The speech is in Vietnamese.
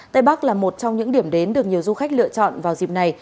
tây bắc là một trong những điểm đến được nhiều du khách lựa chọn vào dịp này